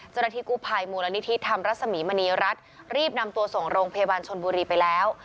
จนที่กุภัยมูลนิทิศธรรมรัศมีมณีรัฐรีบนำตัวส่งโรงเพวัญชนบุรีไปแล้ว